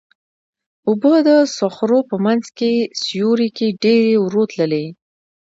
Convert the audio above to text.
اوبه د صخرو په منځ او سیوري کې ډېرې ورو تللې.